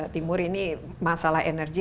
timur ini masalah energi